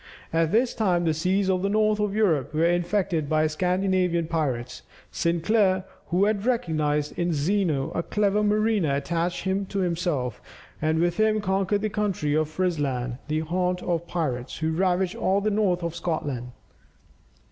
At this time the seas of the north of Europe were infected by Scandinavian pirates. Sinclair, who had recognized in Zeno a clever mariner, attached him to himself, and with him conquered the country of Frisland, the haunt of pirates, who ravaged all the north of Scotland.